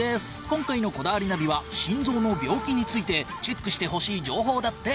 今回の『こだわりナビ』は心臓の病気についてチェックしてほしい情報だって。